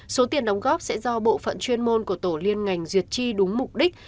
số tiền đóng góp sẽ do bộ phận chuyên môn của tổ liên ngành duyệt chi đúng mục đích